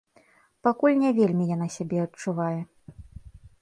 Пакуль не вельмі яна сябе адчувае.